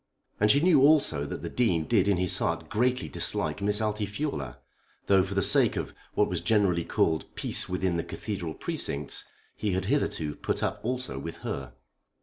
And she knew also that the Dean did in his heart greatly dislike Miss Altifiorla, though for the sake of what was generally called "peace within the cathedral precincts," he had hitherto put up also with her.